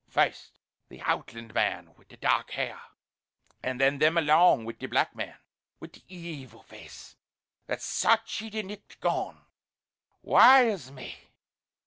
First the outland man wi' the dark hair; an' then them along wi' the black man wi' the evil face that sought ye the nicht gone. Wae is me!